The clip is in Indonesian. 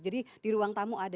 jadi di ruang tamu ada